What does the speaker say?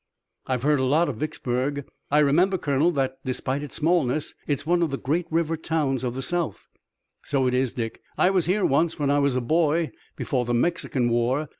"I've heard a lot of Vicksburg. I remember, Colonel, that, despite its smallness, it is one of the great river towns of the South." "So it is, Dick. I was here once, when I was a boy before the Mexican war.